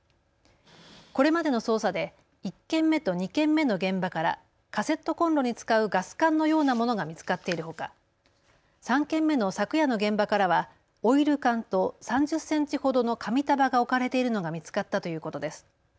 これまでの捜査で１件目と２件目の現場からカセットコンロに使うガス缶のようなものが見つかっているほか３件目の昨夜の現場からはオイル缶と３０センチほどの紙束が置かれているのが見つかったということです。